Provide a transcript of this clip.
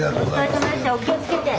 お気をつけて。